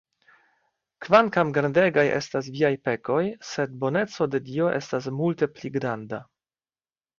Kvankam grandegaj estas viaj pekoj, sed boneco de Dio estas multe pli granda!